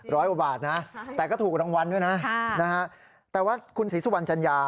ร้อยกว่าบาทนะแต่ก็ถูกรางวัลด้วยนะแต่ว่าคุณศรีสุวรรณจัญญา